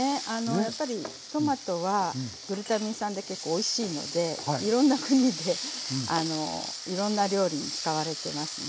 やっぱりトマトはグルタミン酸で結構おいしいのでいろんな国でいろんな料理に使われてますね。